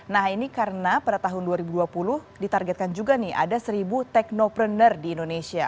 nah ini karena pada tahun dua ribu dua puluh ditargetkan juga nih ada seribu teknopreneur di indonesia